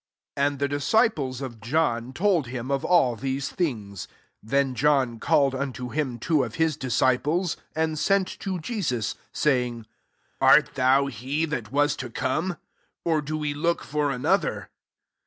18 And the disciples of Jdi told him of all these things.'! Then John called unto two of his disciples, and to Jesus, saying, " Art thoi that was to come ? or do look for another